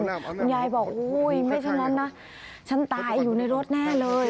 คุณยายบอกอุ้ยไม่ฉะนั้นนะฉันตายอยู่ในรถแน่เลย